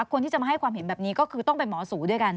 คนที่จะมาให้ความเห็นแบบนี้ก็คือต้องเป็นหมอสูด้วยกัน